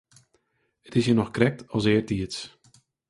It is hjir noch krekt as eartiids.